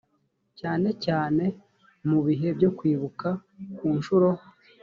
cyane cyane mu bihe byo kwibuka ku nshuro